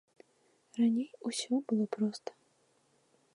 Раней усё было проста.